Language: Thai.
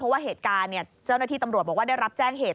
เพราะว่าเหตุการณ์เจ้าหน้าที่ตำรวจบอกว่าได้รับแจ้งเหตุ